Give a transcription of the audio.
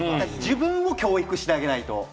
自分を教育してあげないと。